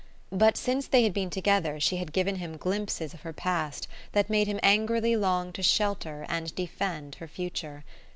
But since they had been together she had given him glimpses of her past that made him angrily long to shelter and defend her future.